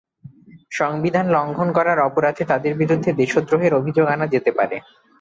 সংবিধান লঙ্ঘন করার অপরাধে তাঁদের বিরুদ্ধে দেশদ্রোহের অভিযোগ আনা যেতে পারে।